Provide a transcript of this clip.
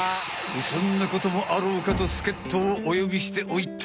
そんなこともあろうかとすけっとをお呼びしておいた。